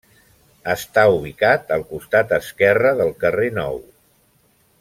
Està ubicat al costat esquerre del carrer Nou.